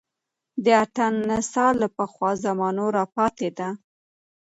د اتڼ نڅا له پخوا زمانو راپاتې ده